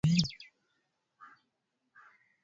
hayanamsingi kwani mpaka sasa wataalamu wanaodai hivi